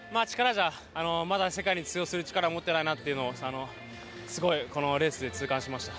じゃまだ世界に通用する力を持ってないなというのをすごいこのレースで痛感しました。